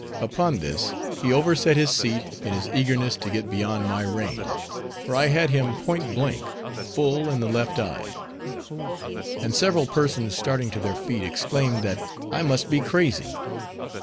Upon this, he overset his seat in his eagerness to get beyond my range, for I had him point blank, full in the left eye; and several persons starting to their feet, exclaimed that I must be crazy.